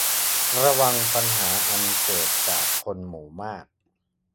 ระวังปัญหาอันเกิดจากคนหมู่มาก